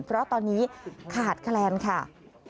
เพราะตอนนี้ขาดแคลนค่ะ